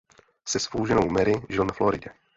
Se svou ženou Mary žil na Floridě.